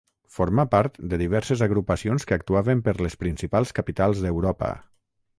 Formà part de diverses agrupacions que actuaven per les principals capitals d’Europa.